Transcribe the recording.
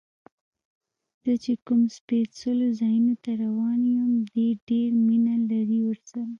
زه چې کوم سپېڅلو ځایونو ته روان یم، دې ډېر مینه لري ورسره.